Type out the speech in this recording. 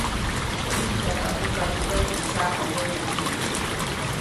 Wijtyajpa tukatukaʼy teʼ tsaʼmayoya.